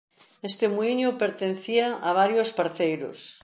Este muíño pertencía a varios parceiros.